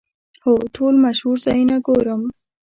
هو، ټول مشهور ځایونه ګورم